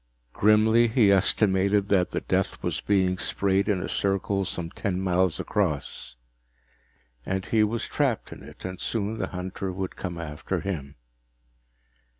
Grimly, he estimated that the death was being sprayed in a circle some ten miles across. And he was trapped in it, and soon the hunter would come after him.